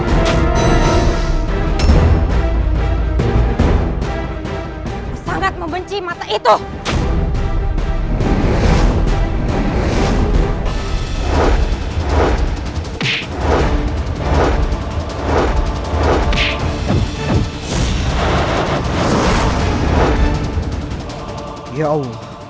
aku sangat membenci mata itu